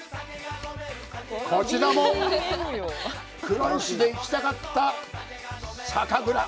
こちらも黒石で行きたかった酒蔵。